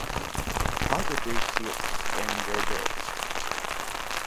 How did these ships end their days?